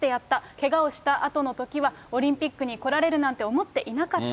けがをしたあとのときは、オリンピックに来られるなんて思っていなかった。